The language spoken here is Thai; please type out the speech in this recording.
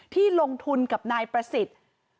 ที่ลงทุนกับนายประสิทธิ์